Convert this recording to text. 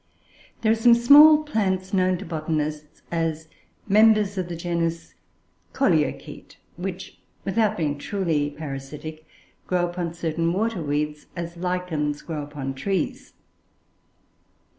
There are some small plants known to botanists as members of the genus Colcochaete, which, without being truly parasitic, grow upon certain water weeds, as lichens grow upon trees.